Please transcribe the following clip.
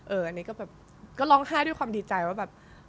อันนี้ก็แบบก็ร้องไห้ด้วยความดีใจว่าแบบ